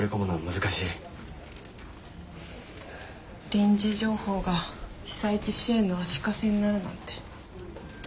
臨時情報が被災地支援の足かせになるなんて。